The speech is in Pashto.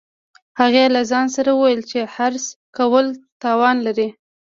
هغې له ځان سره وویل چې حرص کول تاوان لري